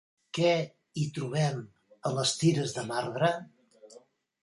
Què hi trobem a les tires de marbre?